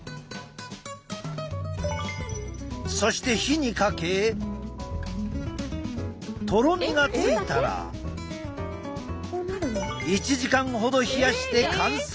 そして火にかけとろみがついたら１時間ほど冷やして完成。